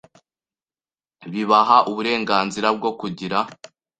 Bibaha uburenganzira bwo kugira